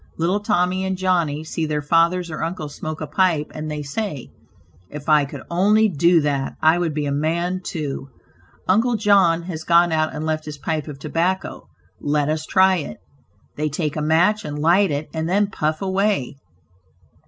Little Tommy and Johnny see their fathers or uncles smoke a pipe, and they say, "If I could only do that, I would be a man too; uncle John has gone out and left his pipe of tobacco, let us try it." They take a match and light it, and then puff away.